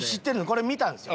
これ見たんですよ。